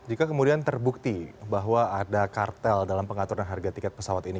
jika kemudian terbukti bahwa ada kartel dalam pengaturan harga tiket pesawat ini